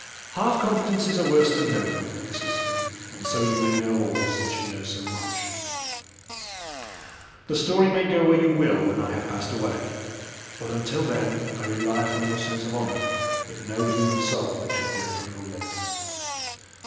Half confidences are worse than no confidences, and so you may know all since you know so much. The story may go where you will when I have passed away, but until then I rely upon your sense of honour that no human soul shall hear it from your lips.